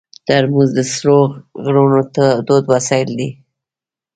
ترموز د سړو غرونو تود وسایل دي.